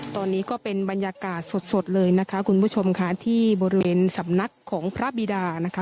ตอนนี้ก็เป็นบรรยากาศสดเลยนะคะคุณผู้ชมค่ะที่บริเวณสำนักของพระบิดานะคะ